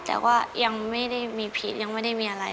แต่ว่ายังไม่ได้มีพิษยังไม่ได้มีอะไร